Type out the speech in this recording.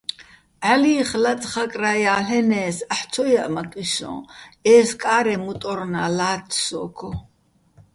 ჺალი́ხ ლაწხაკრა́ ჲალ'ენე́ს, აჰ̦ო̆ ცო ჲაჸმაკიჼ სო́ჼ, ეზკა́რე მუტორნა́ ლა́თთე̆ სო́გო.